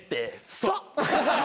そっ！